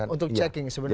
untuk checking sebenarnya